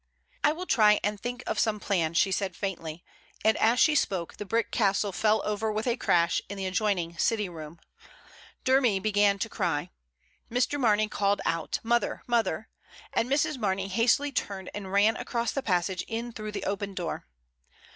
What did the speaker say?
"I will try and think of some plan," she said faintly, and as she spoke the brick castle fell over with a crash in the adjoining sitting room; Dermy began to cry; Mr. Mamey called out, "Mother! mother!" and Mrs. Marney hastily turned and ran across the passage in through the open door.